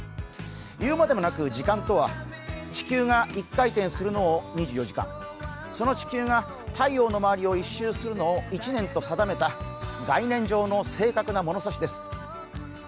言うまでもなく、時間とは地球が１回転するのを２４時間、その地球が太陽の周りを１周するのを１年と定めた概念上の正確な物差しです。